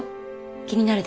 気になるでしょ？